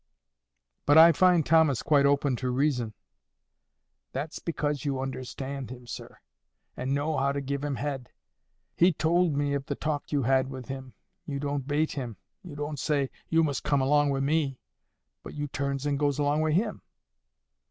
"But I find Thomas quite open to reason." "That's because you understand him, sir, and know how to give him head. He tould me of the talk you had with him. You don't bait him. You don't say, 'You must come along wi' me,' but you turns and goes along wi' him.